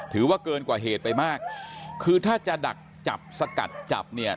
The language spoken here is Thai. ถือว่าเกินกว่าเหตุไปมากคือถ้าจะดักจับสกัดจับเนี่ย